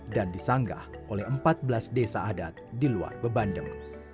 dan disanggah oleh empat belas desa adat di luar bebandem